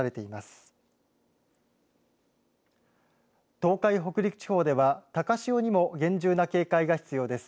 東海、北陸地方では高潮にも厳重な警戒が必要です。